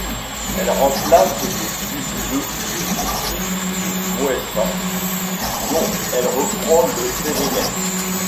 Elle remplace depuis le le district de Moesa, dont elle reprend le périmètre.